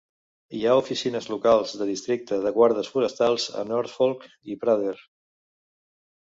Hi ha oficines locals de districte de guardes forestals a North Fork i Prather.